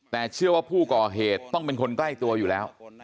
แต่เชื่อว่าผู้ก่อเหตุต้องเป็นคนใกล้ตัวอยู่แล้ว